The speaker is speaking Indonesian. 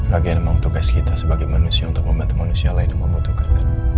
lagi memang tugas kita sebagai manusia untuk membantu manusia lain yang membutuhkan